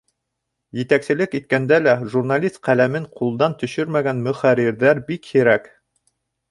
Етәкселек иткәндә лә журналист ҡәләмен ҡулдан төшөрмәгән мөхәррирҙәр бик һирәк.